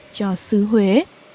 cho sứ huế